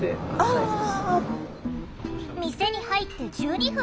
店に入って１２分。